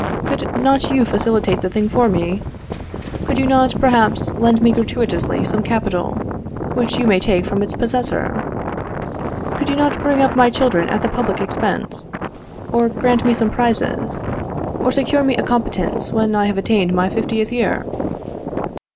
Could not you facilitate the thing for me? Could you not find me a good place? or check the industry of my competitors? or, perhaps, lend me gratuitously some capital, which you may take from its possessor? Could you not bring up my children at the public expense? or grant me some prizes? or secure me a competence when I have attained my fiftieth year?